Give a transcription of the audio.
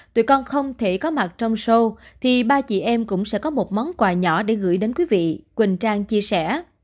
tùy con không thể có mặt trong show thì ba chị em cũng sẽ có một món quà nhỏ để gửi đến quý vị quỳnh trang chia sẻ